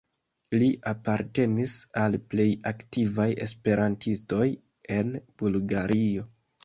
Li apartenis al plej aktivaj esperantistoj en Bulgario.